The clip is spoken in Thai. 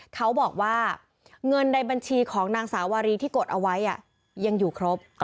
เขาบอกว่าเงินในบัญชีของนางสาวารีที่กดเอาไว้ยังอยู่ครบ